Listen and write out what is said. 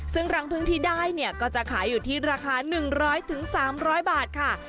ซึ่งรังพึ่งที่ได้เนี่ยก็จะขายอยู่ที่ราคา๑๐๐๓๐๐บาทค่ะ